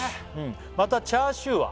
「またチャーシューは」